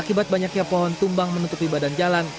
akibat banyaknya pohon tumbang menutupi badan jalan